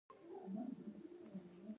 روغې خبرې ته مو هم مزاج برابره نه وي.